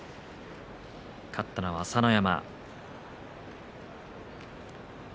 勝ったのは朝乃山。